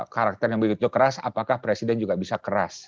karakter yang begitu keras apakah presiden juga bisa keras